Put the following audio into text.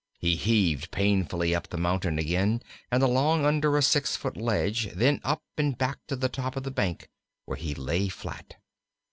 He heaved painfully up the mountain again, and along under a six foot ledge, then up and back to the top of the bank, where he lay flat.